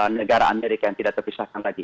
negara amerika yang tidak terpisahkan lagi